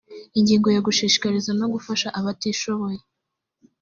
ingingo ya gushishikariza no gufasha abatishoboye